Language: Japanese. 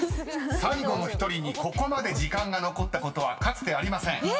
［最後の１人にここまで時間が残ったことはかつてありません］